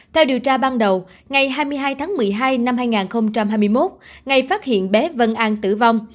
theo điều tra ban đầu ngày hai mươi hai tháng một mươi hai năm hai nghìn hai mươi một ngay phát hiện bé vân an tử vong